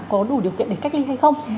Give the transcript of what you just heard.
có đủ điều kiện để cách ly hay không